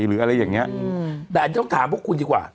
หรืออะไรอย่างเงี้ยแต่อันนี้ต้องถามพวกคุณดีกว่า